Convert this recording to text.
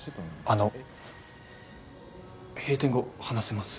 あの閉店後話せます？